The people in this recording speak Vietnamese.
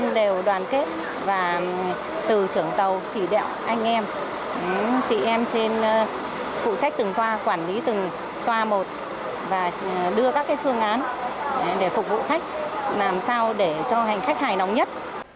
đều đoàn kết và từ trưởng tàu chỉ đạo anh em chị em trên phụ trách từng toa quản lý từng toa một và đưa các phương án để phục vụ khách làm sao để cho hành khách hài nóng nhất